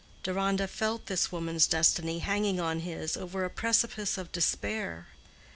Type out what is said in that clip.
Deronda felt this woman's destiny hanging on his over a precipice of despair.